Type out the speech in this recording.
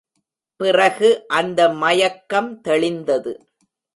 பிறகு அந்த மயக்கம் தெளிந்தது.